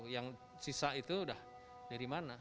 yang sisa itu udah dari mana